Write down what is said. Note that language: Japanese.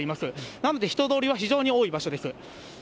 なので、人通りは非常に多い場所